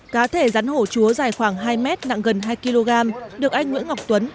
cá thể rắn hổ chúa dài khoảng hai mét nặng gần hai kg được anh nguyễn ngọc tuấn